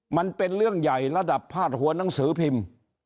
มันเป็นเรื่องใหญ่ระดับพาดหัวหนังสือพิมพ์